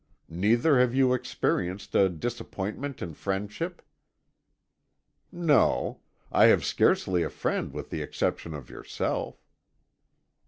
Neither have you experienced a disappointment in friendship?" "No. I have scarcely a friend with the exception of yourself."